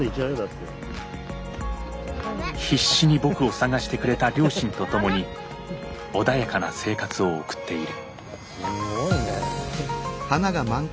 必死に僕を捜してくれた両親と共に穏やかな生活を送っている。